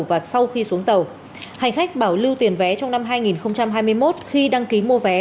và sau khi xuống tàu hành khách bảo lưu tiền vé trong năm hai nghìn hai mươi một khi đăng ký mua vé